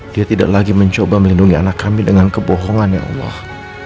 dia tidak lagi mencoba melindungi anak kami dengan kebohongan ya allah